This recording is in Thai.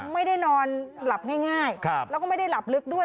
ไม่ได้นอนหลับง่ายแล้วก็ไม่ได้หลับลึกด้วย